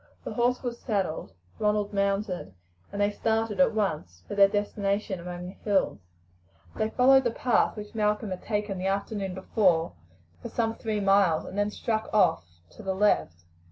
The horse was saddled, Ronald mounted, and they started at once for their destination among the hills. They followed the path which Malcolm had taken the afternoon before for some three miles, and then struck off to the left.